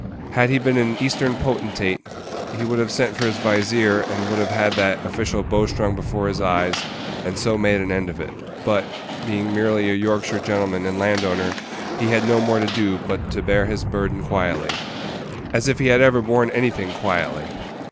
Had he been an Eastern potentate, he would have sent for his vizier, and would have had that official bowstrung before his eyes, and so made an end of it; but, being merely a Yorkshire gentleman and land owner, he had no more to do but to bear his burden quietly. As if he had ever borne anything quietly!